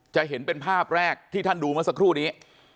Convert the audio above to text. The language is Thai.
จะเห็นเป็นภาพแรกที่ท่านดูเมื่อสักครู่นี้